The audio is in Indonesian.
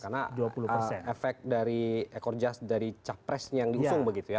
karena efek dari ekor jas dari capres yang diusung begitu ya